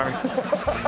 ハハハハ。